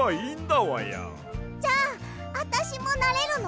じゃああたしもなれるの？